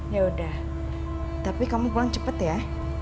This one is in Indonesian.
ya udah tapi kamu pulang cepat ya